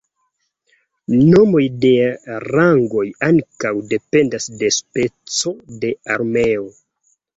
Nomoj de rangoj ankaŭ dependas de speco de armeo.